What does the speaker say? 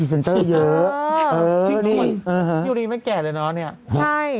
พรีเซ็นเจอร์เยอะเออเออนี่จริงจริงไม่แก่เลยเนอะเนี้ย